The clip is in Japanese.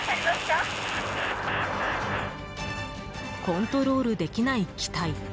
コントロールできない機体。